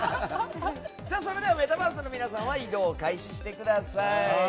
それではメタバースの皆さんは移動を開始してください。